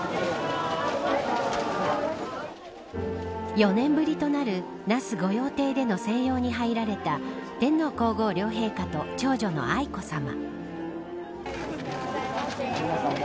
４年ぶりとなる那須御用邸での静養に入られた天皇皇后両陛下と長女の愛子さま。